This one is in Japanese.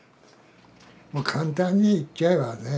簡単に言っちゃえばね